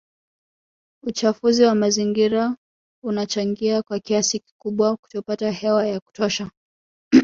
Uchafuzi wa mazingira unachangia kwa kiasi kikubwa kutopata hewa ya kutosha